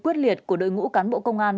quyết liệt của đội ngũ cán bộ công an